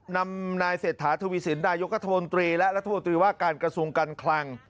นำนายเศรษฐาทวีสินนายกรัฐมนตรีและรัฐมนตรีว่าการกระทรวงการคลัง